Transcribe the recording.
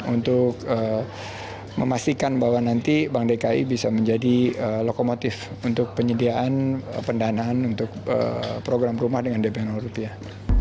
untuk memastikan bahwa nanti bank dki bisa menjadi lokomotif untuk penyediaan pendanaan untuk program rumah dengan dp rupiah